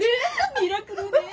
ミラクルねぇ。